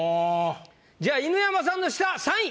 じゃあ犬山さんの下３位。